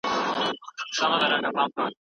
شاګرد باید خپل وخت په سمه توګه ووېشي.